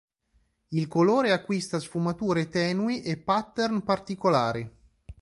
Il colore acquista sfumature tenui e pattern particolari.